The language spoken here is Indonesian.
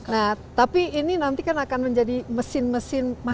nah tapi ini nanti kan akan menjadi mesin mesin makanan